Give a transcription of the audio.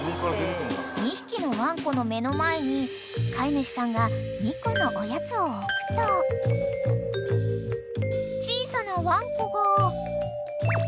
［２匹のワンコの目の前に飼い主さんが２個のおやつを置くと小さなワンコが］